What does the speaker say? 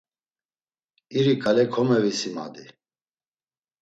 İri ǩale komevisimadi.